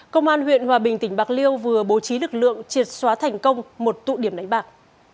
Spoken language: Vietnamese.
công an huyện hòa bình tỉnh bạc liêu vừa bố trí lực lượng triệt xóa thành công một tụ điểm đánh bạc